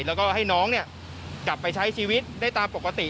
แล้วก็ให้น้องกลับไปใช้ชีวิตได้ตามปกติ